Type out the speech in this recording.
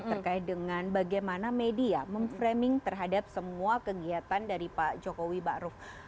terkait dengan bagaimana media memframing terhadap semua kegiatan dari pak jokowi ⁇ maruf ⁇